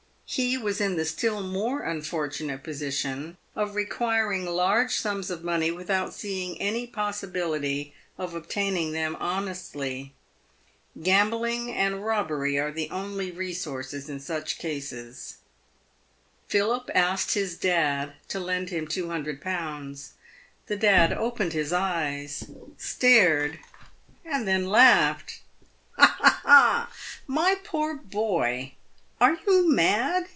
He was in the still more unfortunate position of requiring large sums of money without seeing any possibility of obtaining them honestly. Gambling or robbery are the only resources in such cases. Philip asked his dad to lend him 200Z. The dad opened his eyes, stared, and then laughed. " My poor boy ! are you mad